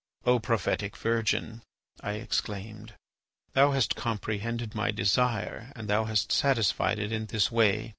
"O prophetic Virgin," I exclaimed, "thou hast comprehended my desire and thou hast satisfied it in this way.